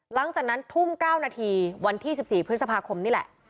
หลังจากนั้นทุ่ม๙นาทีวันที่๑๔พฤษภาคมนี่แหละ